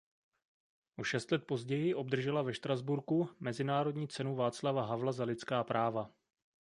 O šest let později obdržela ve Štrasburku Mezinárodní cenu Václava Havla za lidská práva.